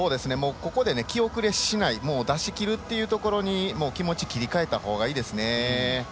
ここで気後れしない出し切ることに気持ちを切り替えたほうがいいですね。